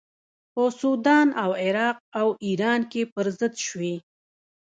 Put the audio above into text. په سودان او عراق او ایران کې پر ضد شوې.